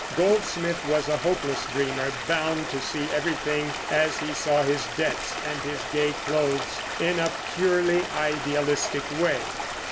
Goldsmith was a hopeless dreamer, bound to see everything, as he saw his debts and his gay clothes, in a purely idealistic way.